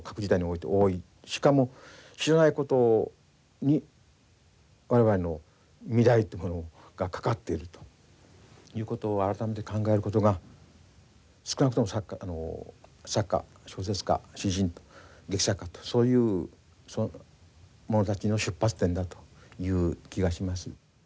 しかも知らないことに我々の未来ってものがかかっているということを改めて考えることが少なくとも作家小説家詩人劇作家とそういう者たちの出発点だという気がします。